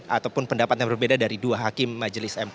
ataupun pendapat yang berbeda dari dua hakim majelis mk